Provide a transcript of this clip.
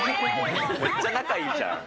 めっちゃ仲いいじゃん。